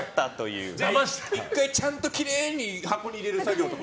１回、ちゃんときれいに箱に入れる作業とか。